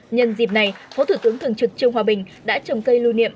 nhân dịp này phó thủ tướng thường trực trương hòa bình đã trồng cây lưu niệm